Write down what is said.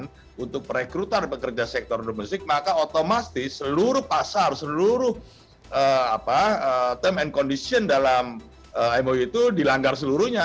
nah untuk perekrutan pekerja sektor domestik maka otomatis seluruh pasar seluruh term and condition dalam mou itu dilanggar seluruhnya